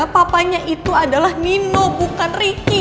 papanya itu adalah nino bukan ricky